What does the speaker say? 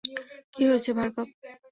কী হয়েছে ভার্গব।